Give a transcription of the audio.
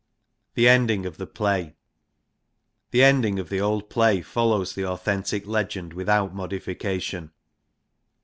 The ending of the play. The ending of the old play follows the authentic legend without modification.